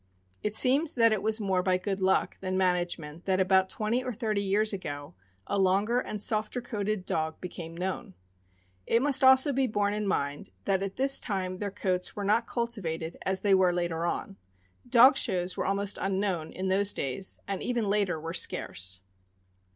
It seems that it was more by good luck than management that, about twenty or thirty years ago, a longer and softer coated dog became known. It must also be borne in mind that at this time their coats were not cultivated as they were later on. Dog shows were almost unknown in those days, and even later were scarce.